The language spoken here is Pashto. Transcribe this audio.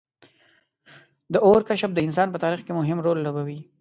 • د اور کشف د انسان په تاریخ کې مهم رول لوبولی.